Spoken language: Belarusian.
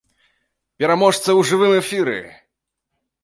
Пераможца ў жывым эфіры!